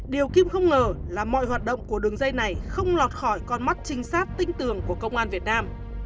điều kim không ngờ là mọi hoạt động của đường dây này không lọt khỏi con mắt trinh sát tinh tường của công an việt nam